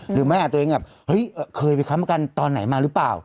หรือไม่อาจตัวเองแบบเฮ้ยเคยไปค้ำกันตอนไหนมาหรือเปล่า